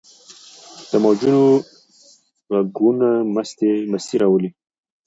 د موجونو ږغونه مستي راولي.